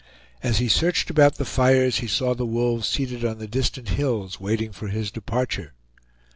As he searched about the fires he saw the wolves seated on the distant hills waiting for his departure.